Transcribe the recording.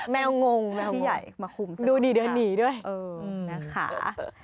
แมวงงแมวงงดูดีเดินหนีด้วยนะคะ